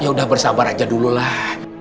ya udah bersabar aja dululah